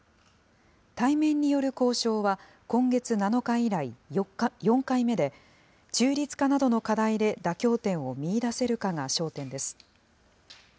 対面による交渉は、今月７日以来、４回目で、中立化などの課題で妥協点を見いだせるかが焦点です。